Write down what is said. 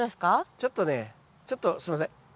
ちょっとねちょっとすいません。